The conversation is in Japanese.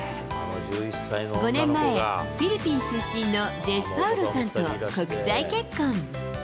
５年前、フィリピン出身のジェシパウロさんと国際結婚。